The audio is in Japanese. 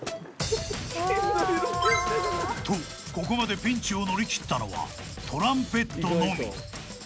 ［とここまでピンチを乗り切ったのはトランペットのみ］